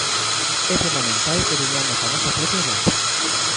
É fundamental que teñamos a nosa propia voz.